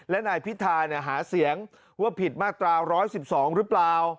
และนายพิธาหาเสียงว่าผิดมาตรา๑๑๒หรือเปล่า